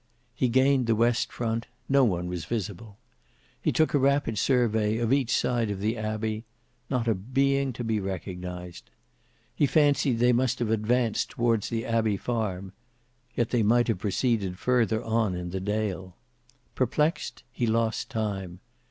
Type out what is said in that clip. He gained the west front; no one was visible. He took a rapid survey of each side of the abbey; not a being to be recognized. He fancied they must have advanced towards the Abbey Farm; yet they might have proceeded further on in the dale. Perplexed, he lost time.